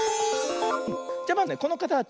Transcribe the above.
じゃまずねこのかたち